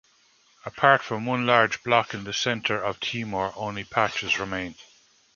Apart from one large block in the centre of Timor only patches remain.